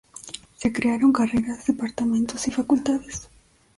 Se crearon carreras, departamentos y facultades.